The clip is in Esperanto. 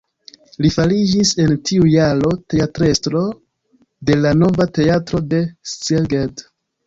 Li fariĝis en tiu jaro teatrestro de la nova teatro de Szeged.